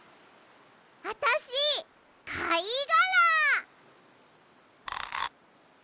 あたしかいがら！